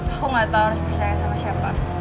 aku gak tau harus percaya sama siapa